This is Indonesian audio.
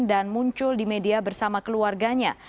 dan muncul di media bersama keluarganya